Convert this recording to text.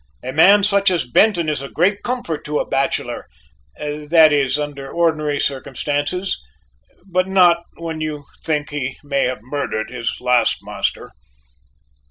A man such as Benton is a great comfort to a bachelor that is, under ordinary circumstances but not when you think he may have murdered his last master.